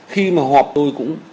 khi mà họp tôi cũng